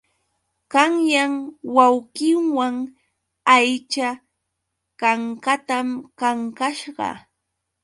Qanyan wawqiiwan aycha kankatam kankasqa.